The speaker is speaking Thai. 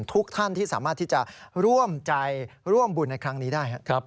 ทุกท่านที่สามารถที่จะร่วมใจร่วมบุญในครั้งนี้ได้ครับ